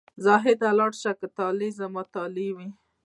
زاهده لاړ شه که طالع زما طالع وي.